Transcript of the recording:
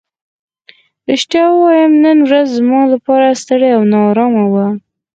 رښتیا ووایم نن ورځ زما لپاره ستړې او نا ارامه وه.